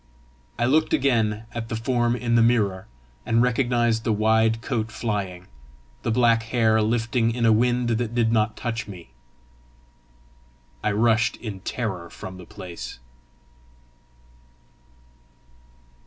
I looked again at the form in the mirror, and recognised the wide coat flying, the black hair lifting in a wind that did not touch me. I rushed in terror from the place.